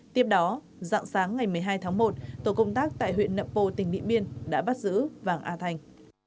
tiếp đó dạng sáng ngày một mươi hai tháng một tổ công tác tại huyện nậm pồ tỉnh điện biên đã bắt giữ vàng a thành